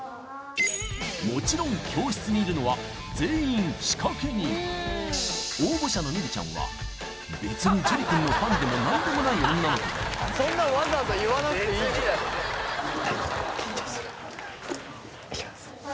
もちろん教室にいるのは全員仕掛け人応募者のミリちゃんは別に樹くんのファンでも何でもない女の子だがそんなのわざわざ言わなくていいじゃんいきます